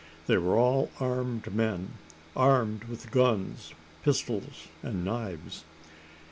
They were all armed men armed with guns, pistols, and knives.